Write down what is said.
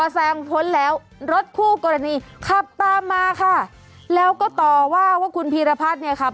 แซงพ้นแล้วรถคู่กรณีขับตามมาค่ะแล้วก็ต่อว่าว่าคุณพีรพัฒน์เนี่ยขับ